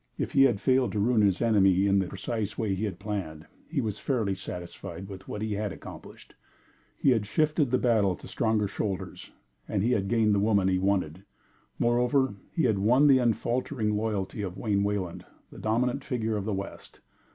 If he had failed to ruin his enemy in the precise way he had planned, he was fairly satisfied with what he had accomplished. He had shifted the battle to stronger shoulders, and he had gained the woman he wanted. Moreover, he had won the unfaltering loyalty of Wayne Wayland, the dominant figure of the West.